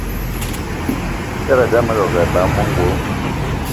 I seradé ame lòdgì eba eme ongolo.